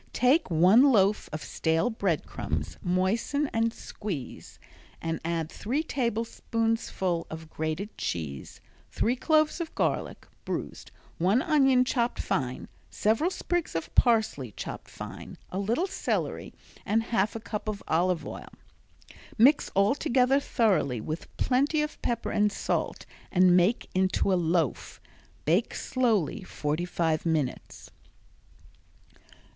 Take one loaf of stale bread crumbs, moisten and squeeze, and add three tablespoonfuls of grated cheese, three cloves of garlic, bruised, one onion chopped fine, several sprigs of parsley chopped fine, a little celery and half a cup of olive oil. Mix all together thoroughly with plenty of pepper and salt and make into a loaf. Bake slowly forty five minutes.